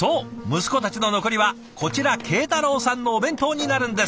息子たちの残りはこちら慶太郎さんのお弁当になるんです。